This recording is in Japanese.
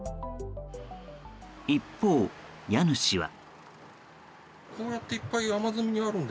一方、家主は。